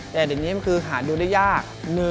แต่เดี๋ยวนี้มันคือหาดูได้ยาก